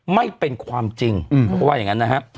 ไม่เป็นความจริงอืมเพราะว่าอย่างงั้นนะฮะฮะ